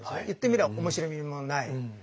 言ってみれば面白みもない。